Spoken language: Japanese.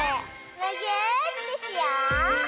むぎゅーってしよう！